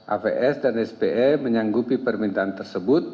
avs dan spe menyanggupi permintaan tersebut